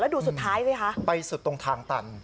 ดูสุดท้ายไหมคะไปสุดตรงทางตัน